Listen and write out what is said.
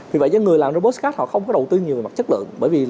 vì vậy những người làm trên postcard họ không có đầu tư nhiều về mặt chất lượng